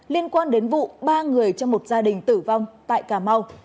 liên quan đến vụ ba người trong một gia đình tử vong tại cà mau